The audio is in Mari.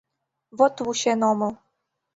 Вот вучен омыл!